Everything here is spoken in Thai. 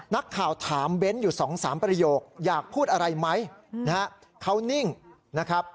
นักข่าวถามเบ้นอยู่สองสามประโยคอยากพูดอะไรไหมนะฮะเขานิ่งนะครับ